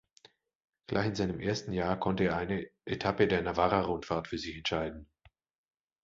Gleich in seinem ersten Jahr konnte er eine Etappe der Navarra-Rundfahrt für sich entscheiden.